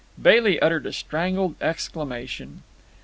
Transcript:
Bailey uttered a strangled exclamation.